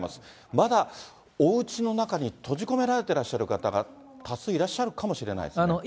まだおうちの中に閉じ込められてらっしゃる方が、多数いらっしゃるかもしれないですね。